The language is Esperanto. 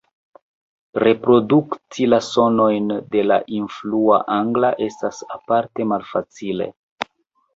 Reprodukti la sonojn de la influa angla estas aparte malfacile.